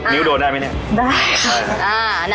นิ้วโดนได้ไหมเนี่ยได้